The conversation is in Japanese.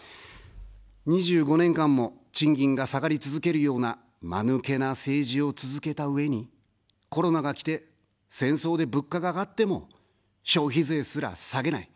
２５年間も賃金が下がり続けるような、まぬけな政治を続けたうえに、コロナがきて、戦争で物価が上がっても、消費税すら下げない。